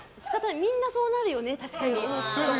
みんなそうなるよねって。